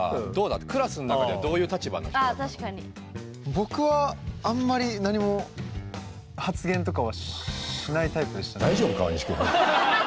僕はあんまり何も発言とかはしないタイプでしたね。